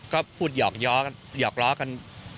ก็พูดหยอกย้อกันหยอกล้อกัน